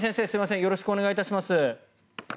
よろしくお願いします。